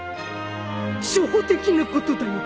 初歩的なことだよ